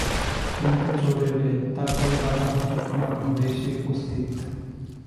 তুমি তো চলে এলে, তার পরে দাদা হঠাৎ আমার ঘরে এসে উপস্থিত।